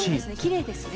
きれいですね。